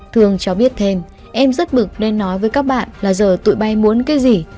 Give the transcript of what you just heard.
thương cho biết thêm em rất bực nên nói với các bạn là giờ tụi bay muốn cái gì